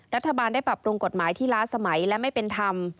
รัฐบาลได้ปรับปรุงกฎหมายที่ล้าสมัยและไม่เป็นธรรม